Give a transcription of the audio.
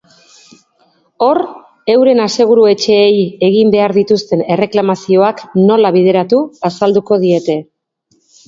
Hor, euren aseguru-etxeei egin behar dituzten erreklamazioak nola bideratu azalduko diete.